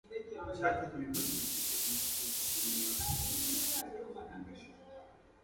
Chartered Membership is the Institute's senior professional grade of membership.